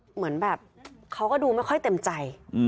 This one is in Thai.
เหมือนแบบเขาก็ดูไม่ค่อยเต็มใจ